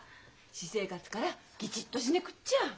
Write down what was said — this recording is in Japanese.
私生活からきぢっどしねぐっちゃ！